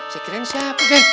sekiranya siapa kan